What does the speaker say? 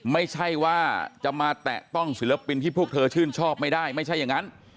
ไม่ใช่ว่าจะมาแตะต้องศิลปินที่พวกเธอชื่นชอบไม่ได้ไม่ใช่อย่างนั้น